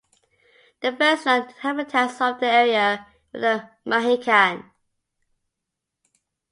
The first known inhabitants of the area were the Mahican.